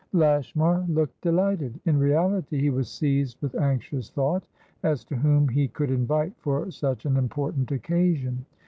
Lashmar looked delighted. In reality he was seized with anxious thought as to whom he could invite for such an important occasion.